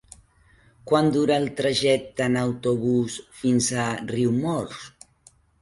Quant dura el trajecte en autobús fins a Riumors?